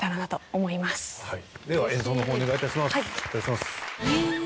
では演奏の方お願い致します。